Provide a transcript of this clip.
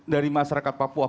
dari masyarakat papua